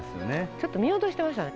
ちょっと見落としてましたね。